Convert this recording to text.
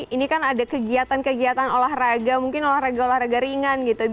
ini kan ada kegiatan kegiatan olahraga mungkin olahraga olahraga ringan gitu